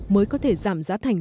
mới có thể giảm giá thành